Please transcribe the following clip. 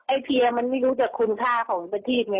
ไอ้เพียมันไม่รู้จักคุณค่าของนางปฏิพย์ไง